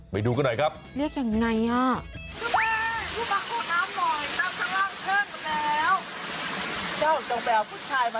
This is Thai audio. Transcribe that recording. ไปดูกันหน่อยครับเรียกอย่างไรอ่ะ